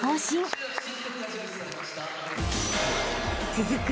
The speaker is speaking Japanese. ［続く